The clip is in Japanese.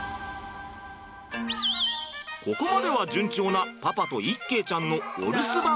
ここまでは順調なパパと一慶ちゃんのお留守番。